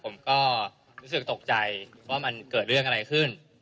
ผมก็รู้สึกตกใจว่ามันเกิดเรื่องอะไรขึ้น